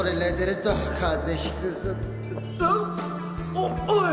おおい！